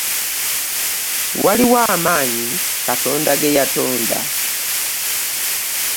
Waliwo amaanyi katonda ge yatonda.